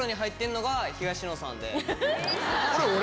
これ俺？